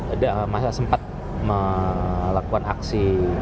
ada masa sempat melakukan aksi